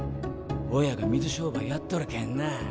親が水商売やっとるけんなあ。